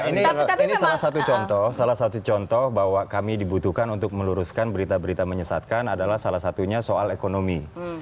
ini salah satu contoh salah satu contoh bahwa kami dibutuhkan untuk meluruskan berita berita menyesatkan adalah salah satunya soal ekonomi